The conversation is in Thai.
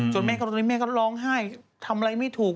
จนแม่ก็ร้องไห้ทำอะไรไม่ถูก